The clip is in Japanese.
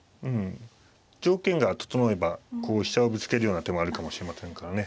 条件が整えばこう飛車をぶつけるような手もあるかもしれませんからね。